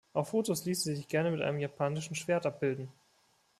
Auf Fotos ließ sie sich gern mit einem japanischen Schwert abbilden.